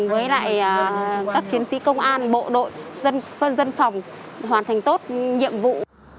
với lại các chiến sĩ công an bộ đội dân phòng hoàn thành tốt nhiệm vụ